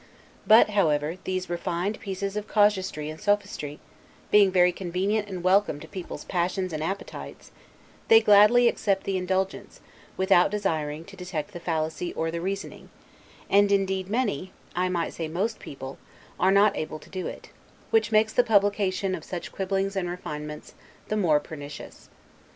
But, however, these refined pieces of casuistry and sophistry, being very convenient and welcome to people's passions and appetites, they gladly accept the indulgence, without desiring to detect the fallacy or the reasoning: and indeed many, I might say most people, are not able to do it; which makes the publication of such quibblings and refinements the more pernicious.